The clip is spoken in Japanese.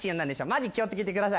マジ気を付けてくださいね。